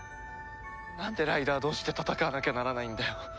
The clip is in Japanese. なんでライダー同士で戦わなきゃならないんだよ。